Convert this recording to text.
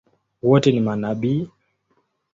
Wote ni manabii?